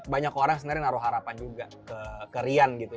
banyak orang sebenarnya naruh harapan juga ke rian gitu